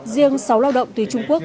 riêng sáu lao động tùy trung quốc